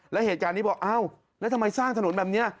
และเหตุจานนี้บอกเอ่าแล้วทำไมสร้างถนนแบบเนี่ย